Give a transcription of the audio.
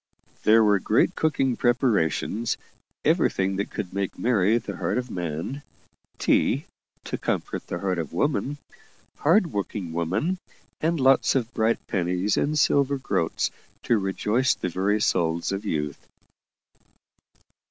There were great cooking preparations everything that could make merry the heart of man tea, to comfort the heart of woman, hard working woman and lots of bright pennies and silver groats to rejoice the very souls of youth.